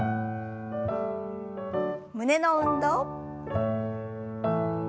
胸の運動。